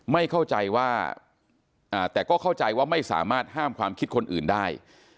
ไม่เข้าใจว่าแต่ก็เข้าใจว่าไม่สามารถห้ามความคิดคนอื่นได้